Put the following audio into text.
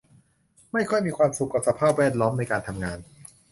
ไม่ค่อยมีความสุขกับสภาพแวดล้อมในการทำงาน